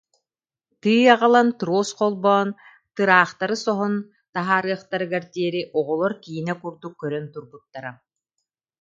Тыы аҕалан, трос холбоон тыраахтары соһон таһаарыахтарыгар диэри оҕолор киинэ курдук көрөн турбуттара